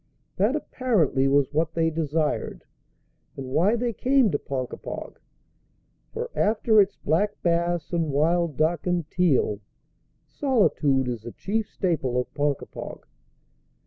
That, apparently, was what they desired, and why they came to Ponkapog. For after its black bass and wild duck and teal, solitude is the chief staple of Ponkapog.